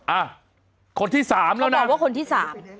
อ่ะคนที่สามแล้วนะถามว่าคนที่สาม